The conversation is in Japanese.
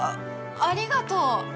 ありがとう。